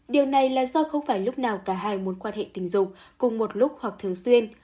điều này là do không phải lúc nào cả hai mối quan hệ tình dục cùng một lúc hoặc thường xuyên